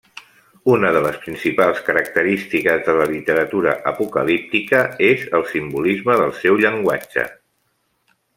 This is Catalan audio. Una de les principals característiques de la literatura apocalíptica és el simbolisme del seu llenguatge.